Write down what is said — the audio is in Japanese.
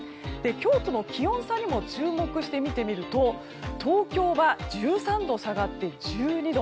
今日との気温差にも注目して見てみると東京は１３度下がって１２度。